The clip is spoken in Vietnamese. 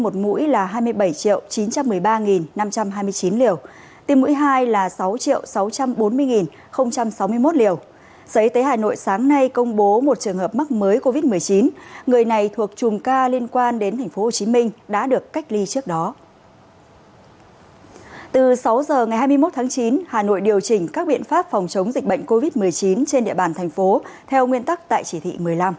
từ sáu giờ ngày hai mươi một tháng chín hà nội điều chỉnh các biện pháp phòng chống dịch bệnh covid một mươi chín trên địa bàn thành phố theo nguyên tắc tại chỉ thị một mươi năm